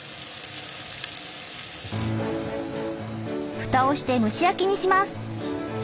ふたをして蒸し焼きにします。